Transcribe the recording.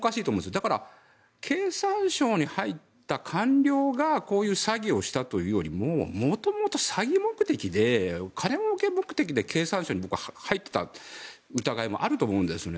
だから、経産省に入った官僚がこういう詐欺をしたというよりも元々、詐欺目的で金もうけ目的で経産省に入っていた疑いもあると思うんですよね。